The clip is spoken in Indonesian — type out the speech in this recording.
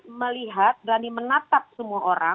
dia berani melihat berani menatap semua orang